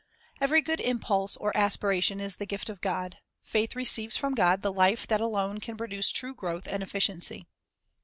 Every good impulse or aspiration is the gift of God ; faith receives from God the life that alone can produce true growth and efficiency.